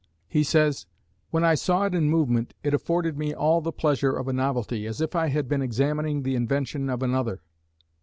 He says: When I saw it in movement, it afforded me all the pleasure of a novelty, as if I had been examining the invention of another.